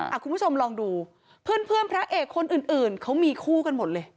คุณผู้ชมลองดูเพื่อนเพื่อนพระเอกคนอื่นอื่นเขามีคู่กันหมดเลย